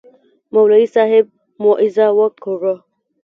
مولوي صاحب موعظه وکړه.